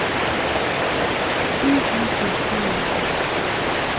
موږ یې هېر کړي یوو.